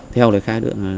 theo lời khai đường